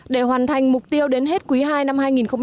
để hoàn thành mục tiêu đến hết quý ii năm hai nghìn một mươi bảy